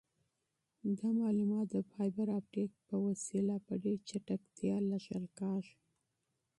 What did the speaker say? دا معلومات د فایبر اپټیک په واسطه په ډېر چټکتیا لیږل کیږي.